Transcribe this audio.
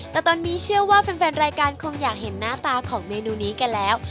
แต่ตอนนี้เชื่อว่าแฟนรายการคงอยากเห็นหน้าตาของเมนูนี้กันแล้ว